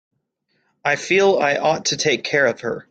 I feel I ought to take care of her.